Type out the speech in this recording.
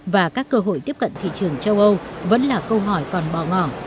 và các cơ hội tiếp cận thị trường châu âu vẫn là câu hỏi còn bò ngỏ